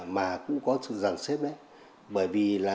mà cũng có sự giàn xếp đấy